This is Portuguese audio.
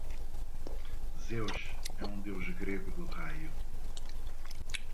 Zeus é um deus grego do raio.